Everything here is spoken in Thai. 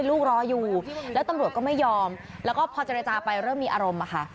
รออยู่แล้วตำรวจก็ไม่ยอมแล้วก็พอเจรจาไปเริ่มมีอารมณ์อะค่ะ